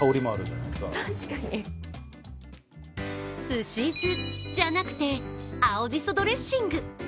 すし酢じゃなくて、青じそドレッシング。